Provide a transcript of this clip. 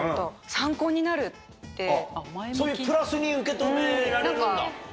そういうプラスに受け止められるんだ。